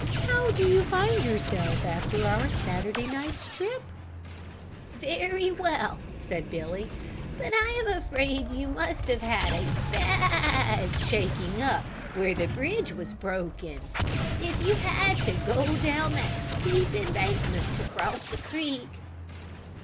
"How do you find yourself after our Saturday night's trip?" "Very well," said Billy, "but I am afraid you must have had a bad shaking up where the bridge was broken, if you had to go down that steep embankment to cross the creek."